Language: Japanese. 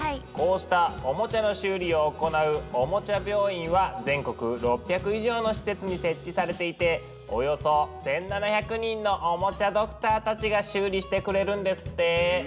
こうしたおもちゃの修理を行う「おもちゃ病院」は全国６００以上の施設に設置されていておよそ１，７００人のおもちゃドクターたちが修理してくれるんですって！